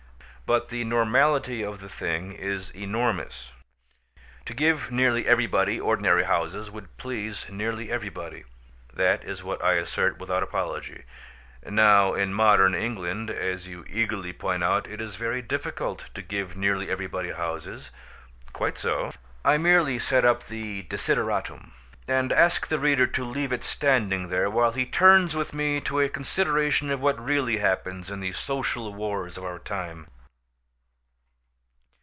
But the normality of the thing is enormous. To give nearly everybody ordinary houses would please nearly everybody; that is what I assert without apology. Now in modern England (as you eagerly point out) it is very difficult to give nearly everybody houses. Quite so; I merely set up the desideratum; and ask the reader to leave it standing there while he turns with me to a consideration of what really happens in the social wars of our time.